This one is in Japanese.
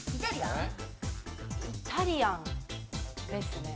イタリアンですね。